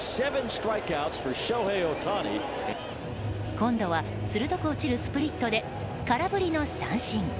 今度は鋭く落ちるスプリットで空振りの三振。